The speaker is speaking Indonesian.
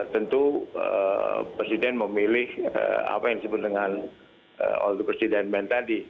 tentu presiden memilih apa yang disebut dengan all the president men tadi